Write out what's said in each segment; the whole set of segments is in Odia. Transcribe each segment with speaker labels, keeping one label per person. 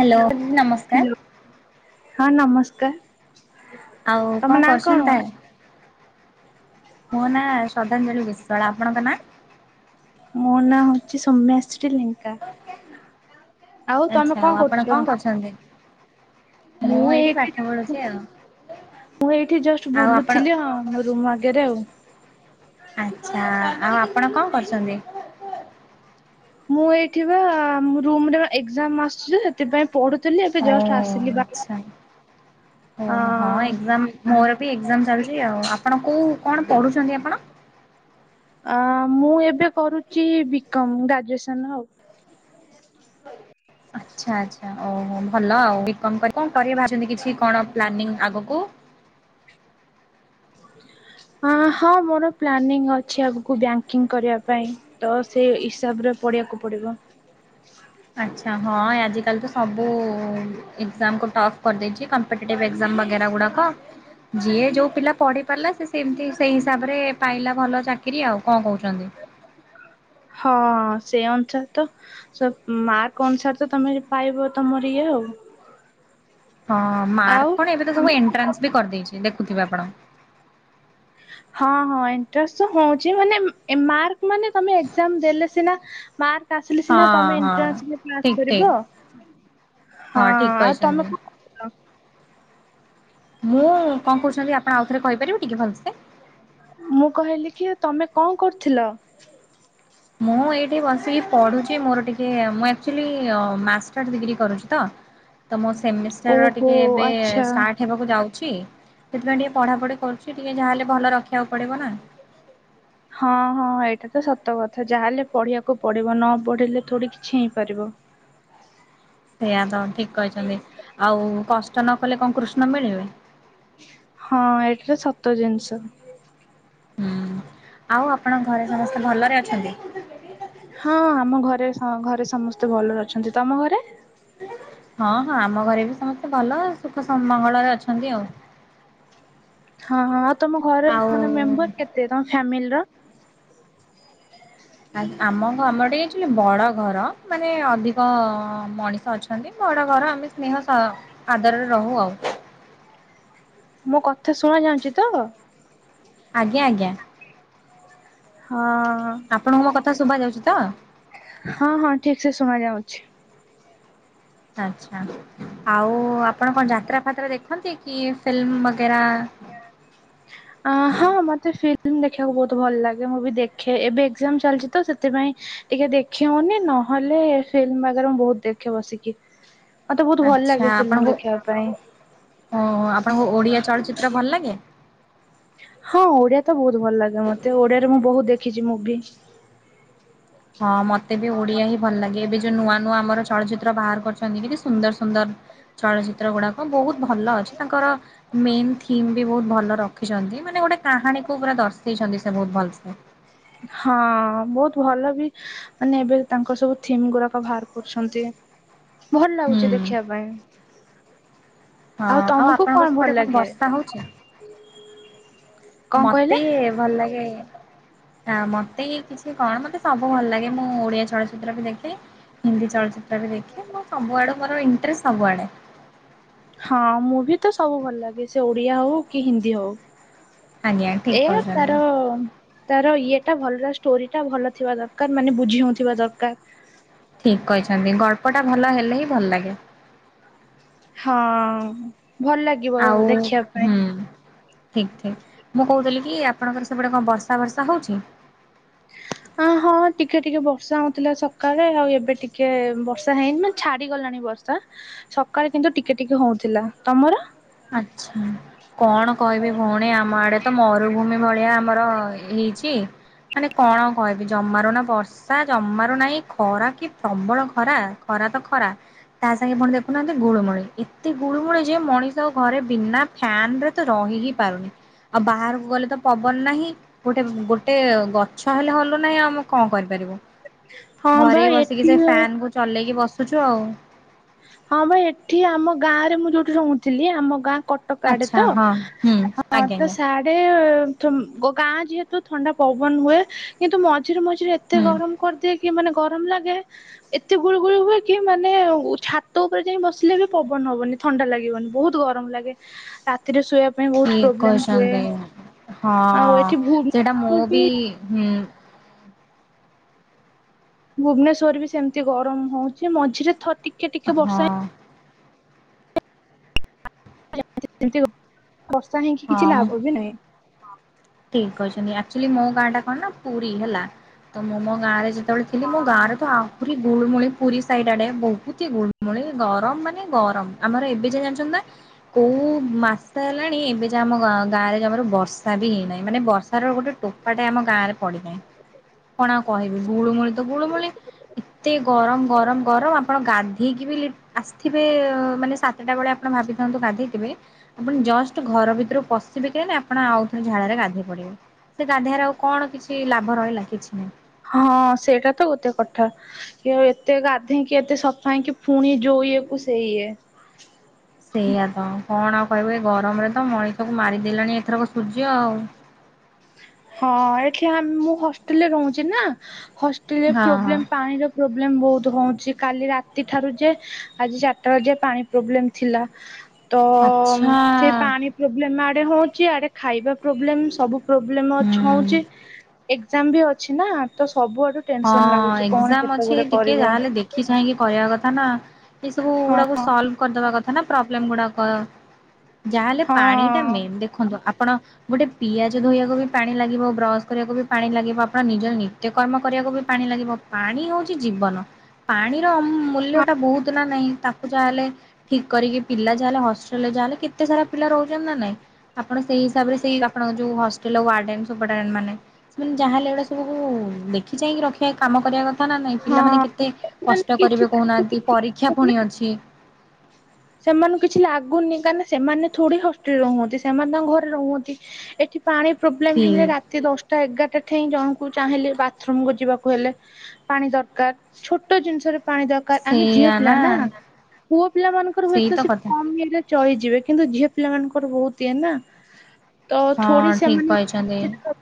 Speaker 1: ହ୍ୟାଲୋ ନମସ୍କାର।
Speaker 2: ହ୍ୟାଲୋ ହଁ ନମସ୍କାର।
Speaker 1: ଆଉ
Speaker 2: ତମ
Speaker 1: କଣ
Speaker 2: ନାଁ
Speaker 1: କରୁଛନ୍ତି ତାହେଲେ? ମୋ ନାଁ ଶ୍ରଦ୍ଧାଞ୍ଜଳି ବିଶ୍ୱାଳ, ଆପଣଙ୍କ ନାଁ?
Speaker 2: ମୋ ନାଁ ହେଉଛି ସୌମ୍ୟାଶ୍ରୀ ଲେଙ୍କା। ଆଉ ତମେ
Speaker 1: ଆଚ୍ଛା
Speaker 2: କଣ
Speaker 1: ଆଉ ଆପଣ
Speaker 2: କରୁଛ?
Speaker 1: କଣ କରୁଛନ୍ତି?
Speaker 2: ମୁଁ
Speaker 1: ପାଠ
Speaker 2: ଏଇଠି ଯ
Speaker 1: ପଢୁଛି ଆଉ
Speaker 2: ମୁଁ ଏଇଠି ଜଷ୍ଟ
Speaker 1: ଆଉ ଆପଣ
Speaker 2: ବୁଲୁଥିଲି ଆଉ ରୁମ୍ ଆଗରେ ଆଉ।
Speaker 1: ଆଚ୍ଛା ଆଉ ଆପଣ କଣ କରୁଛନ୍ତି?
Speaker 2: ମୁଁ ଏଇଠି ବା ରୁମରେ ଏକ୍ଜାମ ଆସିଛିି ସେଥିପାଇଁ ପଢୁଥିଲି ଏବେ ଜଷ୍ଟ ଆସିଲି ବା।
Speaker 1: ଆଚ୍ଛା। ଓ ହଁ ଏଗ୍ଜାମ୍ ମୋର ବି ଏଗ୍ଜାମ୍ ଚାଲିଛି ଆଉ। ଆପଣ କୋଉ କଣ ପଢ଼ୁଛନ୍ତି ଆପଣ?
Speaker 2: ଅ ମୁଁ ଏବେ କରୁଛି ବିକମ୍ ଗ୍ରାଜୁଏସନ ଆଉ।
Speaker 1: ଆଛା ଆଛା। ଓହୋ ଭଲ ଆଉ ବିକମ୍ କଣ କରିବା ଭାବିନି କିଛି କଣ ପ୍ଲାନିଂ ଆଗକୁ
Speaker 2: ହଁ ମୋର ପ୍ଲାନିଂ ଅଛି ଆଗକୁ ବ୍ୟାଙ୍କିଙ୍ଗ କରିବା ପାଇଁ। ତ ସେଇ ହିସାବରେ ପଢ଼ିବାକୁ ପଡ଼ିବ।
Speaker 1: ଆଛା ହଁ ଆଜିକାଲି ତ ସବୁ ଏକ୍ଜାମକୁ ଟଫ୍ କରିଦେଇଛି କମ୍ ଆଟେଟାଇଭି ର ଏଗ୍ଜାମ ବାଗେରା ଗୁଡ଼କ ଯିଏ ଯୋଉ ପିଲା ପଢି ପାରିଲା ସେ ସେମିତି ସେଇ ହିସାବରେ ପାଇଲା ଭଲ ଚାକିରି ଆଉ କଣ କହୁଛନ୍ତି?
Speaker 2: ହଁ ସେ ଅନୁସାରେ ତ ମାର୍କ ଅନୁସାରେ ତ ତମେ ପାଇବ ତମର ଇଏ ଆଉ।
Speaker 1: ହଁ
Speaker 2: ଆଉ
Speaker 1: ମାର୍କ କଣ ଏବେ ତ ସବୁ ଏଣ୍ଟ୍ରାନ୍ସ ବି କରିଦେଇଛି ଦେଖୁଥିବେ ଆପଣ?
Speaker 2: ହଁ ହଁ ଏନ୍ଟ୍ରାନ୍ସତ ହୋଉଛି ମାନେ ମାର୍କ ମାନେ ତମେ ଏ ଗ୍ଜାମ୍ ଦେଲେ ସିନା ମାର୍କ ଆସିଲେ ସିନା
Speaker 1: ହଁ
Speaker 2: ତମେ
Speaker 1: ହଁ
Speaker 2: ଏଟ୍ରାନ୍ସ ରେ
Speaker 1: ଠିକ
Speaker 2: କ୍ଲାସ କରିବ
Speaker 1: ଠିକ
Speaker 2: ହଁ
Speaker 1: ଠିକ
Speaker 2: ଆଉ
Speaker 1: କହିଛନ୍ତି।
Speaker 2: ତମେ କ
Speaker 1: ମୁଁ କଣ କହୁଛନ୍ତି ଆପଣ ଆଉ ଥରେ କହିପାରିବେ ଟିକେ ଭଲସେ?
Speaker 2: ମୁଁ କହିଲି କି ତମେ କଣ କରୁଥିଲ?
Speaker 1: ମୁଁ ଏଇଠି ବସିକି ପଢୁଛି ମୋର ଟିକେ ମୁଁ ଆକ୍ଚୁଲି ମାଷ୍ଟର ଡିଗ୍ରୀ କରୁଛି ତ।
Speaker 2: ହ
Speaker 1: ତ ମୋ ସେମିଷ୍ଟାର ଟିକେ ଏବୋ ଷ୍ଟାର୍ଟ ହେବାକୁ ଯାଉଛି ସେଥିପାଇଁ ଟିକେ ପଢ଼ାପଢ଼ି କରୁଛି ଟିକେ ଯାହାହେଲେ ଭଲ ରଖିବାକୁ ପଡ଼ିବ ନା।
Speaker 2: ହଁ ହଁ ଏଇଟା ତ ସତ କଥା ଯାହାହେଲେ ପଢିବାକୁ ପଢିବ ନ ପଢିଲେ ଥୋଡି କିଛି ହେଇପାରିବ।
Speaker 1: ସେଇଆା ତ ଠିକ୍ କହିଛନ୍ତି ଆଉ କଷ୍ଟନ କଲେ କଣ କୃଷ୍ଣ ମିଳିବେ।
Speaker 2: ହଁ ଏଠିରେ ସତ ଜିନିଷ।
Speaker 1: ହୁଁ ଆଉ ଆପଣଙ୍କ ଘରେ ସମସ୍ତେ ଭଲରେ ଅଛନ୍ତି?
Speaker 2: ହଁ ଆମ ଘରେ ଘରେ ସମସ୍ତେ ଭଲରେ ଅଛନ୍ତି ତମ ଘରେ?
Speaker 1: ହଁ ହଁ ଆମ ଘରେ ବି ସମସ୍ତେ ଭଲ ସୁଖ ସମ ମଙ୍ଗଳରେ ଅଛନ୍ତି ଆଉ।
Speaker 2: ହଁ ହଁ ଆଉ ତମ ଘରେ ମାନେ
Speaker 1: ଆଉ
Speaker 2: ମେମ୍ବର କେତେ ତମ ଫ୍ୟାମିଲି ର?
Speaker 1: ଆ ଆମ ଗମେଟେ ଏଇଠି ବଡ ଘର ମାନେ ଅଧିକ ମଣିଷ ଅଛି। ଥାନ୍ତି ବଡ ଘର ଆମେ ସ୍ନେହ ସ ଆଦରରେ ରହୁ ଆଉ।
Speaker 2: ମୋ କଥା ଶୁଣା ଯାଉଚି ତ
Speaker 1: ଆଜ୍ଞା ଆଜ୍ଞା।
Speaker 2: ହଁ।
Speaker 1: ଆପଣଙ୍କୁ ମୋ କଥା ଶୁଭା ଯାଉଚି ତ
Speaker 2: ହଁ ହଁ ଠିକ୍ ସେ ଶୁଣା ଯାଉଛି।
Speaker 1: ଆଛା ଆଉ ଆପଣ କଣ ଯାତ୍ରା ଫାତ୍ରା ଦେଖନ୍ତି କି ଫିଲ୍ମ ବଗେରା
Speaker 2: ଅ ହଁ ମତେ ଫିଲ୍ମ ଦେଖିବାକୁ ବୋହୁତ ଭଲ ଲାଗେ ମୁଁ ବି ଦେଖେ ଏବେ ଏକ୍ଜାମ ଚାଲିଛି ତ ସେଥିପାଇଁ ଟିକେ ଦେଖି ହଉନି ନହେଲେ ଫିଲ୍ମ ବଗେରା ମୁଁ ବହୁତ ଦେଖେ ବସିକି। ମତେ ବୋହୁତ ଭଲ ଲାଗେ ଫିଲ୍ମ ଦେଖିବା ପାଇଁ।
Speaker 1: ହୋ ଆପଣଙ୍କୁ ଓଡ଼ିଆ ଚଳଚ୍ଚିତ୍ର ଭଲ ଲାଗେ?
Speaker 2: ହଁ ଓଡିଆ ତ ବହୁତ ଭଲ ଲାଗେ ମତେ ଓଡିଆରେ ମୁଁ ବହୁତ ଦେଖିଚି ମୁଭି।
Speaker 1: ହଁ ମତେ ବି ଓଡିଆ ହିଁ ଭଲ ଲାଗେ ଏବେ ଯୋଉ ନୂଆ ନୂଆ ଆମର ଚଳଚିତ୍ର ବାହାର କରିଛନ୍ତି କି ସୁନ୍ଦର ସୁନ୍ଦର ଚଳଚିତ୍ର ଗୁଡାକ ହଁ ବୋହୁତ ଭଲ ଅଛି ତାଙ୍କର ମେନ୍ ଥିମ୍ ବି ବୋହୁତ ଭଲ ରଖିଛନ୍ତି ମାନେ ଗୋଟେ କାହାଣୀକୁୁ ପୁରା ଦର୍ଶେଇଛନ୍ତି ସେ ବୋହୁତ ଭଲସେ।
Speaker 2: ହଁ ବୋହୁତ ଭଲ ବି ମାନେ ଏବେ ତାଙ୍କର ସବୁ ଥିମ୍ ଗୁରାକ ବାହାର କରୁଛନ୍ତି। ଭଲ
Speaker 1: ହୁଁ
Speaker 2: ଲାଗୁଚି ଦେଖିବା ପାଇଁ।
Speaker 1: ହଁ
Speaker 2: ଆଉ ତମୁକୁ
Speaker 1: ଆପଣଙ୍କ
Speaker 2: କଣ
Speaker 1: ସେପଟେ
Speaker 2: ଭଲ ଲାଗେ?
Speaker 1: ବର୍ଷା ହଉଛି?
Speaker 2: କଣ କହିଲେ?
Speaker 1: ମୋତେ ଭଲ ଲାଗେ ହ ମୋତେ କିଛି କଣ ମତେ ସବୁ ଭଲ ଲାଗେ ମୁଁ ଓଡିଆ ଚଳଚିତ୍ର ବି ଦେଖେ। ହିନ୍ଦୀ ଚଳଚିତ୍ର ବି ଦେଖେ ମୋ ସବୁଆଡେ ମୋର ଇଣ୍ଟରେଷ୍ଟ୍ ସବୁଆଡେ।
Speaker 2: ହଁ ମୁଭି ତ ସବୁ ଭଲ ଲାଗେ ସେ ଓଡିଆ ହଉ କି ହିନ୍ଦୀ ହଉ।
Speaker 1: ଆଜ୍ଞା ଠିକ
Speaker 2: ଏଇଆ
Speaker 1: କହିଛନ୍ତି
Speaker 2: ତାର ତାର ଇଏଟା ଭଲ ଷ୍ଟୋରି ଟା ଭଲ ଥିବା ଦରକାର ମାନେ ବୁଝି ହୋଉଁଥିବା ଦରକାର।
Speaker 1: ଠିକ କହିଛନ୍ତି ଗଳ୍ପଟା ଭଲ ହେଲେ ହିଁ ଭଲ ଲାଗେ।
Speaker 2: ହଁ ଭଲ ଲାଗେ।
Speaker 1: ଆଉ ହୁଁ। ଠିକ୍ ଠିକ୍ ମୁଁ କହୁଥିଲି କି ଆପଣଙ୍କର ସେପଟେ କଣ ବର୍ଷା ଭର୍ଷା ହେଉଚି।
Speaker 2: ଅ ହଁ ଟିକେ ଟିକେ ବର୍ଷା ହଉଥିଲା ସକାଳେ। ଆଉ ଏବେ ଟିକେ ବର୍ଷା ହେଇନି ମାନେ ଛାଡିଗଲାଣି ବର୍ଷା ସକାଳେ କିନ୍ତୁ ଟିକେ ଟିକେ ହୋଉଥିଲା। ତମର?
Speaker 1: ଆଛା। କଣ କହିବି ଭଉଣୀ ଆମ ଆଡେ ତ ମରୁଭୂମି ଭଳିଆ ଆମର ହେଇଚି। ମାନେ କଣ କହିବି ଜମାରୁ ନା ବର୍ଷା ଜମାରୁ ନାହି ଖରା କି ପ୍ରବଳ ଖରା। ଖରା ତ ଖରା ତା ସାଙ୍ଗେ ପୁଣି ଦେଖୁନାହାନ୍ତି ଗୁଳୁମୁଳି ଏତେ ଗୁଳୁମୁଳି ଯେ ମଣିଷ ଘରେ ବିନା ଫ୍ୟାନ ରେ ତ ରହି ହି ପାରୁନି ଆଉ ବାହାରକୁ ଗଲେ ତ ପବନ ନାହିଁ। ଗୋଟେ ଗୋଟେ ଗଛ ହେଲେ ହଲୁ ନାହିଁ ଆମେ କଣ କରିପାରିବୁ।
Speaker 2: ହଁ ବା
Speaker 1: ଘରେ ବସିକି
Speaker 2: ଏଠି
Speaker 1: ସେ ଫ୍ୟାନ୍
Speaker 2: ହଁ
Speaker 1: କୁ ଚଲେଇକି ବସୁଚୁ ଆଉ।
Speaker 2: ହଁ ପା ଏଠି ଆମ ଗାଁ ରେ ମୁଁ ଯୋଉଠି ରହୁଥିଲି ଆମ ଗାଁ କଟକ ଆଡେ
Speaker 1: ଆଚ୍ଛା
Speaker 2: ତ
Speaker 1: ହଁ ହୁଁ
Speaker 2: ହଁ
Speaker 1: ଆଜ୍ଞା
Speaker 2: ତା
Speaker 1: ଆଜ୍ଞା
Speaker 2: ସାର୍ଟ ଏ ଥୁମ୍ ଗ ଗାଁ ଯେହେତୁ ଥଣ୍ଡା ପବନ ହୁଏ। କିନ୍ତୁ ମଝିରେ ମଝିରେ ଏତେ
Speaker 1: ହୁଁ
Speaker 2: ଗରମ କରିଦିଏ ମାନେ ଗରମ ଲାଗେ ଏତେ ଗୁଳୁ ଗୁଳି ହୁଏ କି ମାନେ ଉତ୍ ଛାତ ଉପରେ ଯାଇ ବସିଲେ ବି ପବନ ହବନି ଥଣ୍ଡା ଲାଗିବନି ବହୁତ ଗରମ ଲାଗେ ରାତ୍ ରାତିରେ ଶୋଇବା ପାଇଁ ବହୁତ
Speaker 1: ଠିକ
Speaker 2: ପ୍ରୋବ୍ଲେମ ହୁଏ।
Speaker 1: କହିଛନ୍ତି। ହଁ
Speaker 2: ଆଉ ଏଠି ଭୂମି
Speaker 1: ସେଇଟା ମୁଁ
Speaker 2: ବି
Speaker 1: ହୁଁ
Speaker 2: ଭୁବନେଶ୍ଵର ବି ସେମିତି ଗରମ ହଉଚି ମଝିରେ ଥ ଟିକେ ଟିକେ
Speaker 1: ହଁ
Speaker 2: ବର୍ଷା ହେଇ [inaudible] ବର୍ଷା ହେଇଁକି କିଛି
Speaker 1: ହଁ
Speaker 2: ଲାଭ ବି ନାହିଁ।
Speaker 1: ଠିକ କହିଚନ୍ତି ଆକଚୁଆଲି ମୋ ଗାଁ ଟା କଣ ନା ପୁରୀ ହେଲା ତ ମୁଁ ମୋ ଗାଁରେ ସେତେବେଳେ ଥିଲି ମୁ ଗାଁରେ ତ
Speaker 2: ହଁ
Speaker 1: ଆଉ ପୁରୀ ଗୁଳମୁଳି ପୁରୀ ସାଇଡ ଆଡେ ବହୁତ ହି ଗୁଳମୁଳି ଗରମ ମାନେ ଗରମ ଆମର ଏବେ ଯାଏ ଜାଣିଚନ୍ତି ନା କୋଉ ମାସେ ହେଲାଣି ଏବେ ଯା ଆମ ଗାଁରେ ଯମାରୁ ବର୍ଷା ବି ହେଇନାହିଁ। ମାନେ ବର୍ଷାର ର ଗୋଟେ ଟୋପାଟେ ଆମ ଗାଁରେ ପଡିନାଇ। କଣ ଆଉ କହିବି ଗୁଳୁମୂଳି ତ ଗୁଳୁମୁଳି ଏତେ ଗରମ ଗରମ ଗରମ ଆପଣ ଗାଧେ ହେଇକି ବିଲି ଆସିଥିବେ ମାନେ ସାତଟା ବେଳେ ଆ ଆପଣ ଭାବିଥାନ୍ତୁ ଗାଧେଇଥିବେ ଆପଣ ଜଷ୍ଟ ଘର ଭିତରୁ ପଶିବେ କି ନାହିଁ ଆପଣ ଆଉ ଥରେ ଝାଳରେ ଗାଧେ ଗଧେଇ ପଡିବେ, ସେ ଗାଧେଇଆରେ ଆଉ କଣ କିଛି ଲାଭ ରହିଲା କିଛି ନାହିଁ।
Speaker 2: ହଁ ସେଇଟା ତ ଗୋତେ କଠା। କି ଏତେ ଗାଧେଇଁକି ଏତେ ସଫା ହେଇଁକି ପୁଣି ଜୋଉ ଈଏକୁ ସେଇ ଇଏ।
Speaker 1: ସେଇଆତ କଣ ଆଉ କହିବୁ ଏ ଗରମରେ ତ ମଣିଷକୁ ମାରିଦେଲାଣି ଏଥରକ ସୂର୍ଯ୍ୟ ଆଉ।
Speaker 2: ହଁ ଏଠି ଆ ମୁଁ ହଷ୍ଟେଲରେ ରହୁଚି ନା ହସ୍‌ ତିଳେ
Speaker 1: ହଁ ହଁ
Speaker 2: ପ୍ରୋବ୍ଲେମ୍ ପାଣିର ପ୍ରୋବ୍ଲେମ୍ ବହୁତ ହୋଉଁଛି କାଲି ରାତିଠାରୁ ଯେ ଆଜି ଚାରିଟା ର ଯାଏଁ ପାଣି ପ୍ରୋବ୍ଲେମ ଥିଲା ତ-ଅ-ଅ-ଅ-ମ୍
Speaker 1: ଆଚ୍ଛା
Speaker 2: ସେ ପାଣି ପ୍ରୋବଲେମ୍ ଆଡେ ହଉଛି ଆଡେ ଖାଇବା ପ୍ରୋବ୍ଲେମ ସବୁ ପ୍ରୋବ୍ଲେମ୍ ଅଛ
Speaker 1: ହୁଁ।
Speaker 2: ହଉଚି। ଏକ୍ଜାମ ବି ଅଛି ନା ତ ସବୁଆଡୁ ଟେନସନ ଲାଗୁଛି
Speaker 1: ହଁ-ଅ-ଅ-ଅ
Speaker 2: କଣ
Speaker 1: ଏକ୍ଜାମ
Speaker 2: କେତେ
Speaker 1: ଅଛି ଏଇ
Speaker 2: ଗୁଡେ
Speaker 1: ଟିକେ
Speaker 2: କରିବ।
Speaker 1: ଯାହାହେଲେ ଦେଖ୍ କି ଚାହିଁକି କରିଆ କଥା ନା ଏସବୁ-ଉ-ଉ
Speaker 2: ହଁ
Speaker 1: ଗୁଡ଼ାକୁ ସଲ୍ଭ୍ କରିଦେବା କଥା ନା ପ୍ରୋବ୍ଲେମ୍ ଗୁଡ଼ା କ, ଯାହାହେଲେ
Speaker 2: ହଁ
Speaker 1: ପାଣି ଟା ମେନ୍ ଦେଖନ୍ତୁ ଆପଣ ଗୋଟେ ପିଆଜ ଧୋଇବାକୁ ବି ପାଣି ଲାଗିବ, ବ୍ରସ କରିବାକୁ ବି ପାଣି ଲାଗିବ, ଆପଣ ନିଜର ନିତ୍ୟକର୍ମ କରିବାକୁ ବି ପାଣି ଲାଗିବ ପାଣି ହଉଛି ଜୀବନ ପାଣିର ମ-ମ୍-ମ୍ ମୂଲ୍ୟ ଟା ବହୁତ ନା ନାହିଁ ତାକୁ କୁ ଯାହା ହେଲେ ଠିକ କରିକି ପିଲା ଯାହା ହେଲେ ହଷ୍ଟେଲ ରେ ଯାହା ହେଲେ କେତେ ସାରା ପିଲା ରହୁଛନ୍ତି ନା ନାଇଁ। ଆପଣ ସେଇ ହିସାବରେ ସେଇ ଆପଣଙ୍କ ଯୋଉ ହଷ୍ ଟେଲ ଆଉ ୱରଡେନ୍‌, ସୁପରଟେଣ୍ଟେ ମାନେ ସେମାନେ ଯାହା ହେଲେ ଏଗୁଡା ସବୁ-ଉ-ଉ ଦେଖିଚାହିକି ରଖିବା କାମ କରିବା କ ଥା ନା ନାହିଁ ପିଲାମାନେ
Speaker 2: ହଁ।
Speaker 1: କେତେ
Speaker 2: ସେମାନେ
Speaker 1: କଷ୍ଟ
Speaker 2: କିଛି
Speaker 1: କରିବେ
Speaker 2: ତାଙ୍କୁ
Speaker 1: କହୁନାହାଁନ୍ତି
Speaker 2: କିଛି
Speaker 1: ପରୀକ୍ଷା ପୁଣି ଅଛି।
Speaker 2: ସେମାନଙ୍କୁ କିଛି ଲାଗୁନି କାହିଁନା ସେମାନେ ଥୋଡି ହଷ୍ଟଲରେ ରହୁଅନ୍ତି ସେମାନେ ତାଙ୍କ ଘରେ ରହୁଅନ୍ତି ଏଠି ପାଣି ପ୍ରୋବ୍ଲେମ ହେଲେ
Speaker 1: ଠିକ୍
Speaker 2: ରାତି ଦଶ ଟା ଏଗାରଟା ଠାଇଁ ଜଣଙ୍କୁ ଚାହିଁଲେ ବାଥରୁମକୁ ଯିବାକୁ ହେଲେ। ପାଣି ଦରକାର ଛୋଟ ଜିନିଷରେ ପାଣି ଦରକାର ଆମେ ଝିଅ ପିଲା ନା, ପୁଅ ପିଲା ମାନଙ୍କର
Speaker 1: ସେଇ
Speaker 2: ହୁଏତ
Speaker 1: ତ
Speaker 2: ସେ
Speaker 1: କଥା
Speaker 2: କ ମ୍ ଇଏ ରେ ଚଳିଯିବେ କିନ୍ତୁ ଝିଅ ପିଲା ମାନଙ୍କର ବହୁତ ଇଏ ନା ତ ଥୋଡ଼ି
Speaker 1: ହଁ
Speaker 2: ସେ
Speaker 1: ଠିକ
Speaker 2: ମାନେ
Speaker 1: କହିଛନ୍ତି।
Speaker 2: [unintelligible]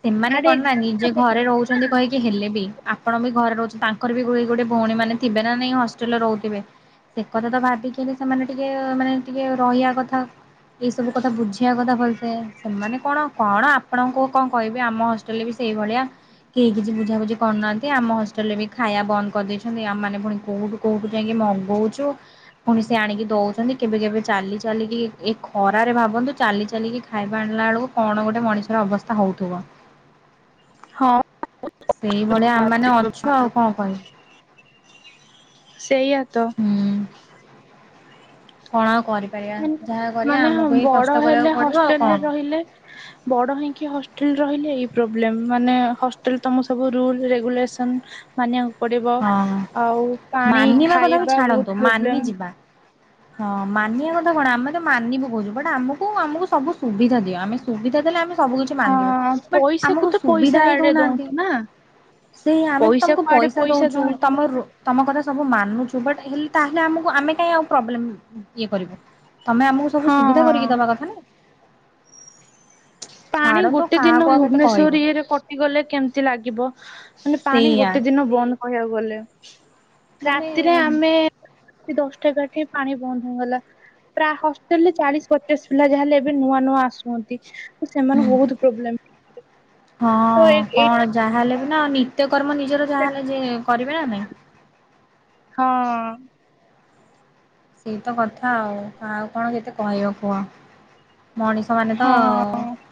Speaker 1: ସେମାନେ
Speaker 2: ଆଡେ
Speaker 1: କଣ ନା ନିଜେ ଘରେ ରହୁ ଛନ୍ତି କହିକି ହେଲେ ବି ଆପଣ ବି ଘରେ ରହୁଛନ୍ତି ତାଙ୍କର ବି ଗୋ ଗୋଟେ ଭଉଣୀ ମାନେ ଥିବେ ନା ନାଇଁ ହଷ୍ଟେଲ ରେ ରହୁଥିବେ। ସେ କଥା ତ ଭାବିକିରି ସେମାନେ ଟିକେ-ଏ-ଏ ମାନେ ଟିକେ ରହିଆ କଥା। ଏଇ ସବୁ କଥା ବୁଝେୟା କଥା ଭଲସେ ସେମାନେ କଣ କଣ ଆପଣଙ୍କୁ କଣ କହିବି ଆମ ହଷ୍ଟେଲରେ ବି ସେଇ ଭଳିଆ କେହି କିଛି ବୁଝାବୁଝି କରୁନାହାନ୍ତି ଆମ ହଷ୍ ଟେଲରେ ବି ଖାଇଆ ବନ୍ଦ କରିଦେଇଛନ୍ତି। ଆମ ମାନେେ ପୁଣି କୋଉଁଠୁ କୋଉଁଠୁ ଯାଇକି ମଗଉଛୁ। ପୁଣି ସେ ଆଣିକି ଦଉଛନ୍ତି କେବେ କେବେ ଚାଲି ଚାଲିକି ଏ ଏ ଖ ରାରେ ଭାବନ୍ତୁ ଚାଲି ଚାଲିକି ଖାଇବା ଆଣିଲା ବେଳକୁ କଣ ଗୋଟେ ମଣିଷର ଅବସ୍ଥା ହଉଥିବ।
Speaker 2: ହଁ।
Speaker 1: ସେଇଭଳିଆ ଆମ ମାନେ ଅଛୁ ଆଉ କଣ କରିବୁ।
Speaker 2: ସେଇଆ ତ।
Speaker 1: ହୁଁ। କଣ ଆଉ କରିବ୍
Speaker 2: ମାନେ ମାନେ ହଁ ବଡ
Speaker 1: କରିବାକୁ
Speaker 2: ହେଲେ
Speaker 1: ପଡିବ ଆଉ
Speaker 2: ହଷ୍ଟେଲରେ
Speaker 1: କଣ
Speaker 2: ରହିଲେ ବଡ ହେଇକି ହଷ୍ଟେଲରେ ରହିଲେ ଏଇ ପ୍ରୋବ୍ଲେମ, ମାନେ ହିଷ୍ଟେଲ ତମ ସବୁ ରୁଲ୍ ରେଗୁଲେସନ୍ ମାନିବାକୁ ପଡିବ
Speaker 1: ହଁ।
Speaker 2: ଆଉ ପାଣି
Speaker 1: ମାନିବା କଥା ବି
Speaker 2: ଖାଇବା
Speaker 1: ଛାଡନ୍ତୁ
Speaker 2: ବହୁତ
Speaker 1: ମାନି
Speaker 2: ପ୍ରୋବ୍ଲେମ
Speaker 1: ଯିବା। ହଁ ମାନିବା କଥା କଣ ଆମେ ତ ମାନିବୁ କହୁଛୁ ବଟ ଆମକୁ ଆମକୁ ସବୁ ସୁବିଧା ଦିଅ ଆମେ ସୁବିଧା ଦେଲେ ଆମେ ସବୁ କିଛି ମାନିବ
Speaker 2: ହଁ
Speaker 1: ବଟ୍
Speaker 2: ପଇସାକୁ
Speaker 1: ଆମକୁ
Speaker 2: ତ ପଇସା
Speaker 1: ସୁବିଧା ହି
Speaker 2: ଆଡେ
Speaker 1: ଦଉନାହାନ୍ତି।
Speaker 2: ଦଉଛୁ ନା
Speaker 1: ସେ ଆମେ ତମକୁ ପଇସା ଦଉଛୁ ତମ ରୁ ତମ କଥା ସବୁ ମାନୁଛୁ ବଟ୍ ହେଲେ ତାହେଲେ ଆମକୁ ଆମେ କାଇଁ ଆଉ ପ୍ରୋବ୍ଲେମ୍ ଇ-ଇ ଇଏ କରିବୁ। ତମେ ଆମକୁ ସବୁ
Speaker 2: ହଁ
Speaker 1: ସୁବିଧା କରିକି ଦବା କଥା ନା।
Speaker 2: ପାଣି
Speaker 1: ଛାଡନ୍ତୁ
Speaker 2: ଗୋଟେ ଦିନ
Speaker 1: କାହାକୁ ଆଉ କେତେ କହିବୁ।
Speaker 2: ଭୁବନେଶ୍ଵର ଇଏରେ କ ଗଲେ କେମିତି ଲାଗିବ ମାନେ ପାଣି
Speaker 1: ସେଇଆ
Speaker 2: ଗୋଟେ ଦିନ ବନ୍ଦ କହିବାକୁ ଗଲେ।
Speaker 1: ମାନେ
Speaker 2: ରାତିରେ ଆମେ-ଏ-ଏ ଦଶଟା କାଠି ପାଣି ବନ୍ଦ ହେଇଗଲା ପ୍ରା ହଷ୍ଟେଲ ରେ ଚାଳିଶ ପଚାଶ ପିଲା ଯାହାହେଲେ ଏବେ ନୂଆ ନୂଆ ଆସୁଚନ୍ତି ସେମାନଙ୍କୁ ବହୁତ ପ୍ରୋବ୍ଲେମ
Speaker 1: ହଁ
Speaker 2: ତ ଏ- ଏଇ
Speaker 1: କଣ ଯାହାହେଲେ ବି ନା ନିତ୍ୟକର୍ମ ନିଜର ଯାହାହେଲେ ଯେ କରିବେ ନା ନାଇଁ।
Speaker 2: ହଁ।
Speaker 1: ସେଇ ତ କଥା ଆଉ ଆଉ କଣ କେତେ କହିବ କୁହ। ମଣିଷ ମାନେ ତ
Speaker 2: ହଁ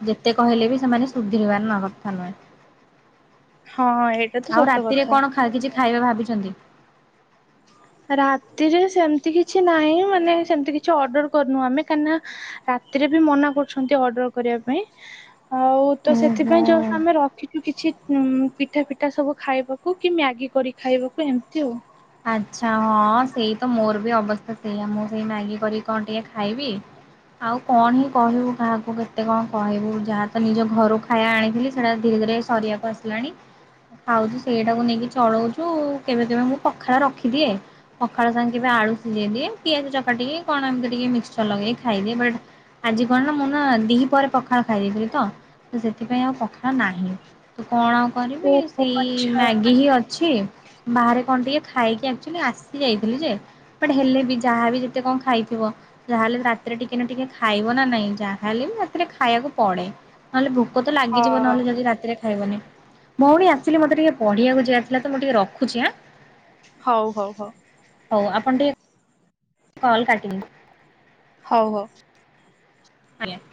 Speaker 1: ଯେତେ କହିଲେ ବି ସେମାନେ ସୁଧୁ ରିବାର ନ କଥା ନୁହେଁ।
Speaker 2: ହଁ ଏଇଟା ତ
Speaker 1: ଆଉ
Speaker 2: ସତ
Speaker 1: ରାତିରେ
Speaker 2: କଥା।
Speaker 1: କଣ କିଛି ଖାଇବା ଭାବିଚନ୍ତି?
Speaker 2: ରାତିରେ ସେମତି କିଛି ନାଇଁ ମାନେ ସେମିତି କିଛି ଅର୍ଡର କରିନୁ ଆମେ କାହିଁକିନା ରାତିରେ ବି ମନା କରୁଛନ୍ତି ଅର୍ଡର କରିବା ପାଇଁ। ଆଉ ତ
Speaker 1: ଓହୋ।
Speaker 2: ସେଥିପାଇଁ ଯୋଉ ଆମେ ରଖିଚୁ କିଛି ଉଁ ପିଠା ପିଠା ସବୁ ଖାଇବାକୁ କି ମ୍ୟାଗି କରି ଖାଇବାକୁ ଏମିତି ଆଉ।
Speaker 1: ଆଚ୍ଛା ହଁ ସେଇତ ମୋର ବି ଅବସ୍ଥା ସେଇଆ ମୁଁ ସେଇ ମ୍ୟାଗି କରିକି କଣ ଟିକେ ଖାଇବି। ଆଉ କଣ ହିଁ କହିବୁ କାହାକୁ କେତେ। କେତେ କଣ କହିବୁ ଯାହା ତ ନିଜ ଘରୁ ଖାଇବା ଆଣିଥିଲି ସେରା ଧୀରେ ଧୀରେ ସରିବାକୁ ଆସିଲାଣି। ଖାଉଚୁ ସେଇଟାକୁ ନେଇକି ଚଳଉଚୁ କେବେ କେବେ ମୁଁ ପଖାଳ ରଖିଦିଏ। ପଖାଳ ସାଙ୍ଗେ କେବେ ଆଳୁ ସିଝେଇ ଦିଏ ପିଆଜ ଚପାଟିକି କଣ ଏମିତି ଟିକେ ମିଶ୍ଚର ଲଗେଇ ଖାଇଦିଏ ବଟ୍ ଆଜି କଣ ନା ମୁଁ ନା ଦି ପହରେ ପଖାଳ ଖାଇ ଦେଇଥିଲି ତ ସେଥିପାଇଁ ଆଉ ପଖାଳ ନାହିଁ। କଣ କରିବି
Speaker 2: ଓହୋ
Speaker 1: ସେଇ
Speaker 2: ଆଚ୍ଛା
Speaker 1: ମ୍ୟାଗି କି ଅଛି ବାହାରେ କଣ ଟିକେ ଖାଇକି [unintelligible] ଆସି ଯାଇଥିଲି ଯେ ବଟ ହେଲେ ବି ଯାହାବି ଯେତେ କଣ ଖାଇଥିବ ଯାହାହେଲେ ରାତିରେ ଟିକେ ନା ଟିକେ ଖାଇବ ନା ନାଇଁ ଯାହାହେଲେ ବି ରାତିରେ ଖାଇବାକୁ ପଡେ ନହେଲେ ଭୋକ ଭୋକ ତ
Speaker 2: ହଁ
Speaker 1: ଲାଗଯିବ ନଲେ ଯଦିରାତିରେ ଖାଇବନି ଭୋଉଣୀ [unintelligible] ମତେ ଟିକେ ପଢ଼ିବାକୁ ଯିବାର ଥିଲା ତ ମୁଁ ଟିକେ ରଖୁଚି ଆଁ।
Speaker 2: ହୋଉ ହୋଉ ହୋଉ।
Speaker 1: ହୋଉ ଆପଣ ଟିକେ କଲ କାଟିି [unintelligible]
Speaker 2: ହୋଉ ହୋଉ।
Speaker 1: [unintelligible]